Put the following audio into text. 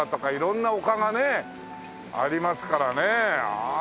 ああ